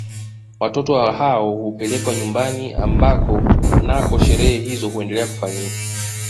Watoto hao hupelekwa nyumbani ambako nako sherehe hizo huendelea kufanyika